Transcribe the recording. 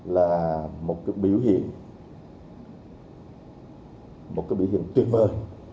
là một cái biểu hiện một cái biểu hiện tuyệt vời